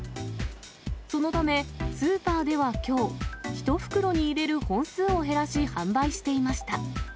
そのため、スーパーではきょう、１袋に入れる本数を減らし、販売していました。